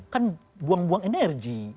kan buang buang energi